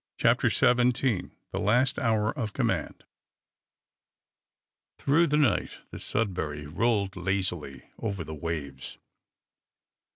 CHAPTER XVII THE LAST HOUR OF COMMAND Through the night the "Sudbury" rolled lazily over the waves.